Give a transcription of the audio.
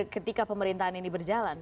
ketika pemerintahan ini berjalan